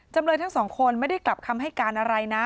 จำเลยทั้งสองคนไม่ได้กลับคำให้การอะไรนะ